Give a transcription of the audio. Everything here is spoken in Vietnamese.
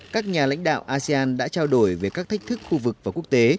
các nhà lãnh đạo asean đã trao đổi về các thách thức khu vực và quốc tế